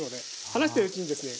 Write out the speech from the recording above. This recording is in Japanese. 話してるうちにですね